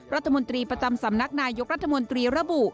รัฐมนตรีประจำสำนักนายยกรัฐมนตรีระบุ